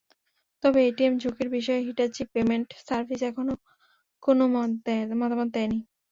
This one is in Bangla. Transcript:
তবে এটিএম ঝুঁকির বিষয়ে হিটাচি পেমেন্ট সার্ভিস এখনো কোনো মতামত দেয়নি।